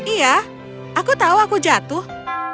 iya aku tahu aku jatuh